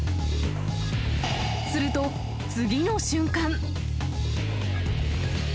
すると、次の瞬間。